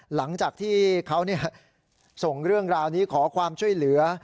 หลังจากที่เขาส่งเรื่องราวนี้ขอความช่วยเหลือ